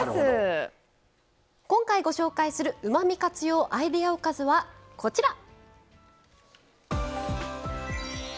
今回ご紹介する「うまみ活用アイデアおかず」はこちら！